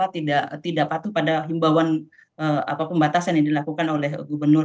tidak patuh pada himbauan atau pembatasan yang dilakukan oleh gubernur